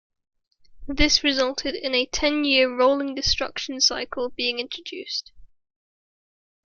This resulted in a ten-year rolling destruction cycle being introduced.